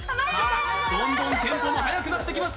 どんどんテンポも速くなってきました。